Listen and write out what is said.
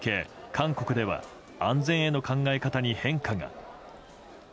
韓国では安全への考え方に変化が。